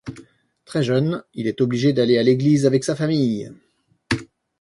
Très jeune, il est obligé d'aller à l'église avec sa famille.